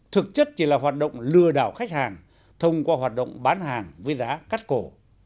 thực chất chỉ là hoạt động lừa đảo khách hàng thông qua hoạt động bán hàng với giá cắt cổ